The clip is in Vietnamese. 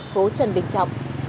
phố trần bình trọng